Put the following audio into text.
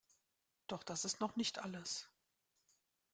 Doch das ist noch nicht alles.